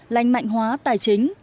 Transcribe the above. lanh mạnh hóa tài chính